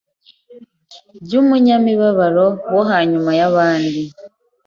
rw’umunyamibabaro wo hanyuma y’abandi